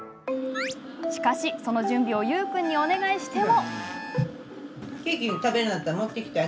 しかし、その作業をゆう君にお願いしても。